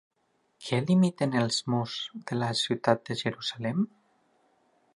Què limiten els murs de la ciutat de Jerusalem?